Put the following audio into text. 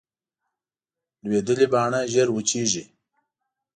لوېدلې پاڼه ژر وچېږي